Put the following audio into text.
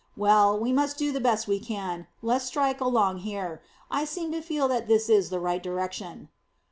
"Well, we must do the best we can. Let's strike along here. I seem to feel that this is the right direction."